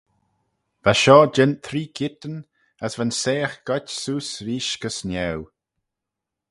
Va shoh jeant three keayrtyn: as va'n saagh goit seose reesht gys niau.